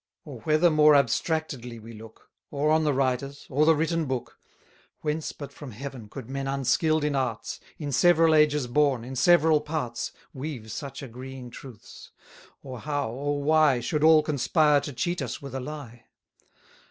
Or, whether more abstractedly we look, Or on the writers, or the written book, Whence, but from Heaven, could men unskill'd in arts, 140 In several ages born, in several parts, Weave such agreeing truths? or how, or why Should all conspire to cheat us with a lie?